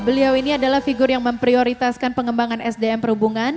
beliau ini adalah figur yang memprioritaskan pengembangan sdm perhubungan